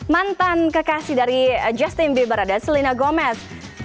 mantan kekasih dari justin bieber adalah selena gomez